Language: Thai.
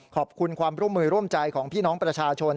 ขอบคุณความร่วมมือร่วมใจของพี่น้องประชาชน